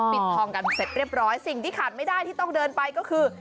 ปิดทองกันเสร็จเรียบร้อยสิ่งที่ขาดไม่ได้ที่ต้องเดินไปก็คือ